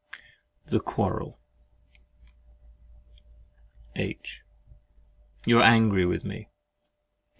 THE QUARREL H. You are angry with me?